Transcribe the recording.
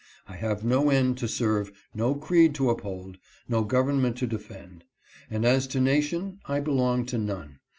I have no end to serve, no creed to uphold, no government to defend ; and as to nation, I belong to none.